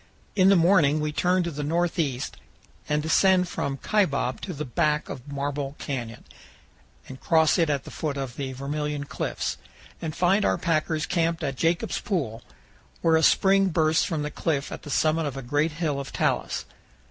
In the morning we turn to the northeast and descend from Kaibab to the back of Marble Canyon and cross it at the foot of the Vermilion Cliffs, and find our packers camped at Jacob's Pool, where a spring bursts from the cliff at the summit of a great hill of talus.